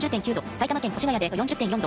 埼玉県越谷で４０．４度。